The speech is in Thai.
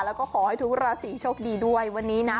แล้วก็ขอให้ทุกราศีโชคดีด้วยวันนี้นะ